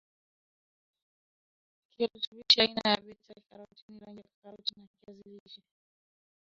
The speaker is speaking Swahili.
kirutubishi aina ya beta karotini rangi ya karoti ya kiazi lishe